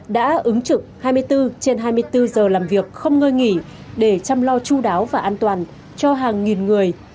đã ứng trực hai mươi bốn trên hai mươi bốn giờ làm việc không ngơi nghỉ để chăm lo chú đáo và an toàn cho hàng nghìn người